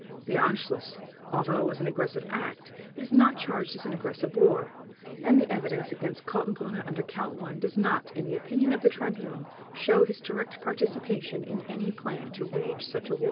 The Anschluss, although it was an aggressive act, is not charged as an aggressive war, and the evidence against Kaltenbrunner under Count One does not, in the opinion of the Tribunal, show his direct participation in any plan to wage such a war.